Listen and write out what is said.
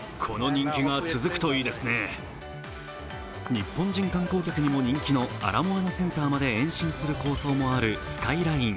日本人観光客にも人気のアラモアナセンターまで延伸する構想もあるスカイライン。